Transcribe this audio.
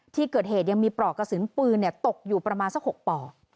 ที่เกิดเหตุยังมีปลอกกระสุนปืนตกอยู่ประมาณสัก๖ปลอก